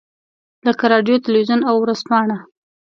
لکه رادیو، تلویزیون او ورځپاڼه.